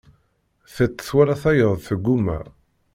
Tiṭ twala tayeḍ teggumma.